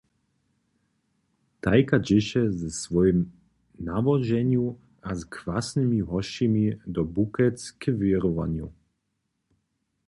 Tajka dźěše ze swojim nawoženju a z kwasnymi hosćimi do Bukec k wěrowanju.